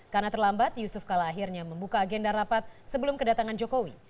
karena terlambat yusuf kala akhirnya membuka agenda rapat sebelum kedatangan jokowi